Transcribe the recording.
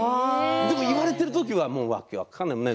でも言われてる時は訳分からない。